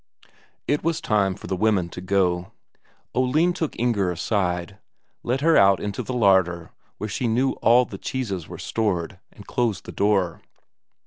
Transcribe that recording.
It was time for the women to go. Oline took Inger aside, led her out into the larder where she knew all the cheeses were stored, and closed the door.